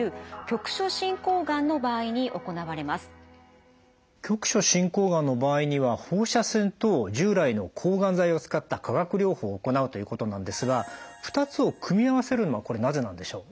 局所進行がんの場合には放射線と従来の抗がん剤を使った化学療法を行うということなんですが２つを組み合わせるのはこれなぜなんでしょう？